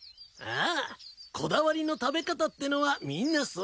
こだわりの食べ方ってのはみんなそれぞれ。